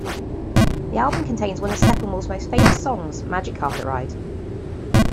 The album contains one of Steppenwolf's most famous songs, "Magic Carpet Ride".